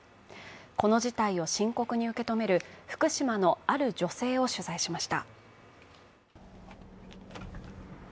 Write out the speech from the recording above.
この事態を深刻に受け止める福島のある女性を取材しました。